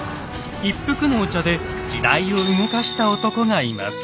一服のお茶で時代を動かした男がいます。